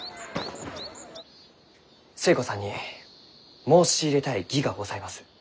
寿恵子さんに申し入れたい儀がございます。